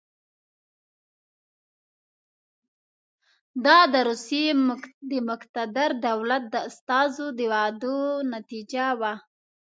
دا د روسیې د مقتدر دولت د استازو د وعدو نتیجه وه.